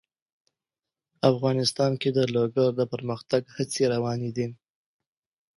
افغانستان کې د لوگر د پرمختګ هڅې روانې دي.